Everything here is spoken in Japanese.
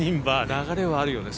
流れはあるよね